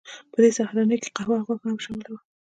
په دې سهارنۍ کې قهوه او غوښه هم شامله وه